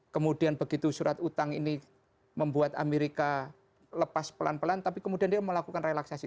kemudian begitu surat utang ini membuat amerika lepas pelan pelan tapi kemudian dia melakukan relaksasi